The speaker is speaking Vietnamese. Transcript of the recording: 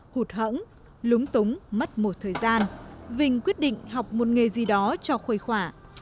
hụt hẫng lúng túng mất một thời gian vinh quyết định học một nghề gì đó cho khuây khỏa